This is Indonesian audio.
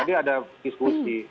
tadi ada diskusi